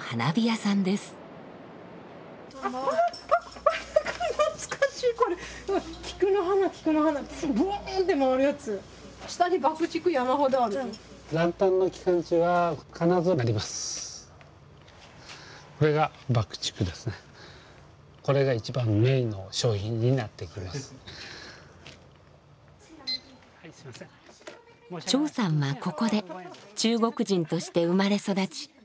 張さんはここで中国人として生まれ育ち盛子さんと結婚。